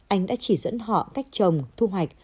anh đã chỉ dẫn họ cách trồng thu hoạch